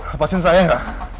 lepasin saya enggak